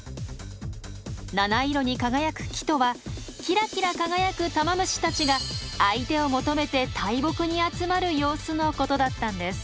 七色に輝く木とはキラキラ輝くタマムシたちが相手を求めて大木に集まる様子のことだったんです。